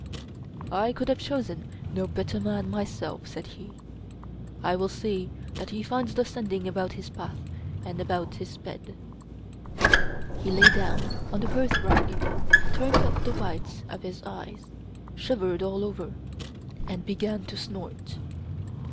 "I could have chosen no better man myself/' said he. " I will see that he finds the Sending about his path and about his bed/' He lay down on the hearthrug, turned up the whites of his eyes, shivered all over, and began to snort.